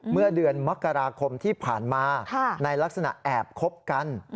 เมื่อเดือนมกราคมที่ผ่านมาในลักษณะแอบคบกัน